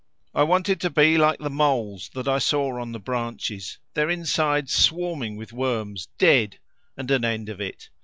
I wanted to be like the moles that I saw on the branches, their insides swarming with worms, dead, and an end of it.